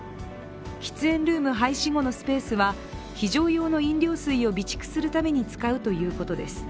喫煙ルーム廃止後のスペースは、非常用の飲料水を備蓄するために使うということです。